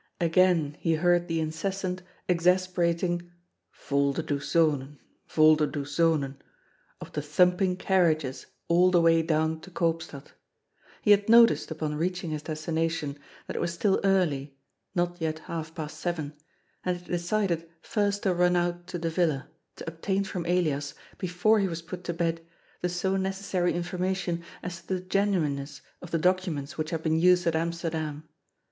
Again he heard the incessant, exasperating " Volderdoes Zonen, Volderdoes Zonen," of the thumping carriages all the way down to Eoopstad. He had noticed, upon reaching his destination, that it was still early, not yet half past seven, and he had decided first to run out to the Villa, to obtain from Elias, before he was put to bed, the so necessary information as to the genuineness of the docu ments which had been used at Amsterdam.